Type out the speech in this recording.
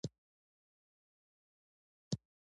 • د غرونو په سر واوره تر اوړي هم پاتې وي.